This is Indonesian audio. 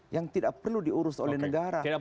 yang tidak perlu diurus oleh negara